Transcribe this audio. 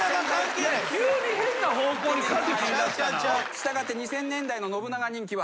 従って２０００年代の信長人気は。